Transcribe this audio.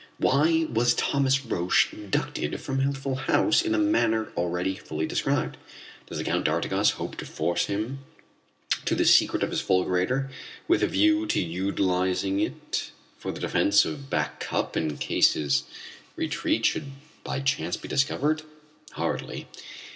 Why was Thomas Roch abducted from Healthful House in the manner already fully described? Does the Count d'Artigas hope to force from him the secret of his fulgurator with a view to utilizing it for the defence of Back Cup in case his retreat should by chance be discovered? Hardly.